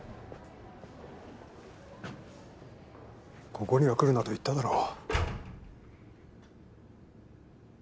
ここには来るなと言っただろう。